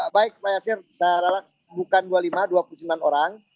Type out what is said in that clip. baik pak yasir saya bukan dua puluh lima dua puluh sembilan orang